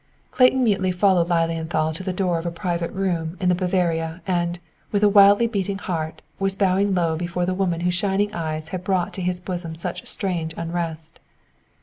Clayton mutely followed Lilienthal to the door of a private room in the "Bavaria" and, with a wildly beating heart, was bowing low before the woman whose shining eyes had brought to his bosom such strange unrest.